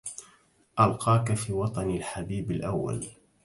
ألقاك في وطني الحبيب الأول